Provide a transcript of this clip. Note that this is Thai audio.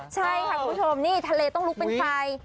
ใช่ค่ะคุณผู้ชมนี่ทะเลต้องลุกเป็นไฟ